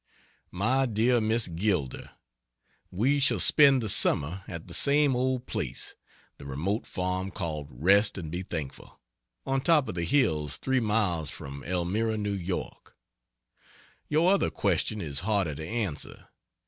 MY DEAR MISS GILDER, We shall spend the summer at the same old place the remote farm called "Rest and be Thankful," on top of the hills three miles from Elmira, N. Y. Your other question is harder to answer.